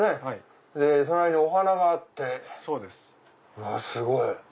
うわすごい！